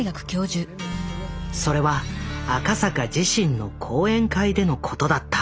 それは赤坂自身の講演会でのことだった。